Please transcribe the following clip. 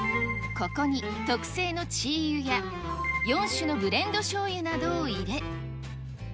ここに特製のチー油や、４種のブレンドしょうゆなどを入れ。